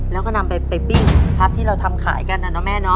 แล้วก็นำไปปิ้งพับที่เราทำขายกันนะนะแม่เนาะ